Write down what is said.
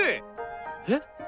えっ！？